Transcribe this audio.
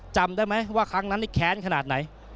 จำได้ไหมว่าครั้งนั้นนี่แค้นขนาดไหน